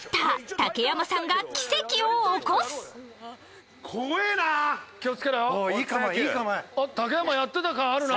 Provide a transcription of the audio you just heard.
竹山、やってた感あるな。